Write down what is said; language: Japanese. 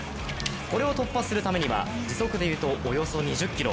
これを突破するためには時速でいうとおよそ２０キロ。